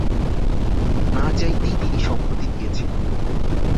না চাইতেই তিনি সম্মতি দিয়েছেন।